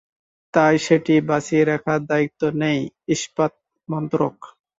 তাই সেটি বাঁচিয়ে রাখার দায়িত্ব নেয় ইস্পাত মন্ত্রক।